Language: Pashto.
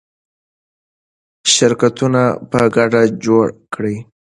شرکتونه په ګډه جوړ کړئ.